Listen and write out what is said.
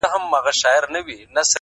ما مي د هسک وطن له هسکو غرو غرور راوړئ،